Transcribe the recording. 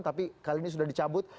tapi kali ini sudah dicabut